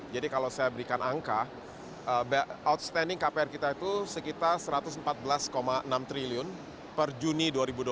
jadi kalau saya berikan angka outstanding kpr kita itu sekitar rp satu ratus empat belas enam triliun per juni dua ribu dua puluh tiga